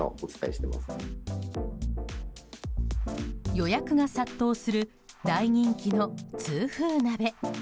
予約が殺到する大人気の痛風鍋。